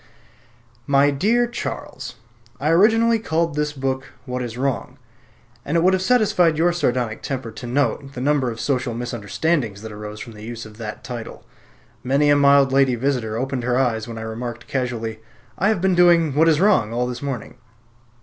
My Dear Charles, I originally called this book "What is Wrong," and it would have satisfied your sardonic temper to note the number of social misunderstandings that arose from the use of the title. Many a mild lady visitor opened her eyes when I remarked casually, "I have been doing 'What is Wrong' all this morning."